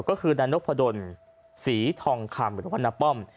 ก็คือดันนกพะดลศรีทองคามหรือว่าณป้อม